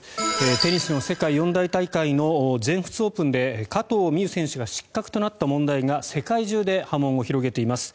テニスの世界四大大会の全仏オープンで加藤未唯選手が失格となった問題が世界中で波紋を広げています。